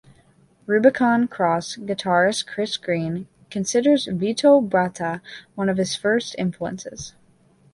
Rubicon Cross guitarist Chris Green considers Vito Bratta one of his first influences.